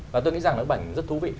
và tôi nghĩ rằng nó bảnh rất thú vị